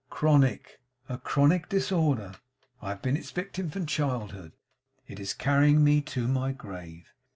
'Chron ic. A chronic disorder. I have been its victim from childhood. It is carrying me to my grave.